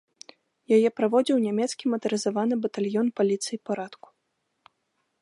Яе праводзіў нямецкі матарызаваны батальён паліцыі парадку.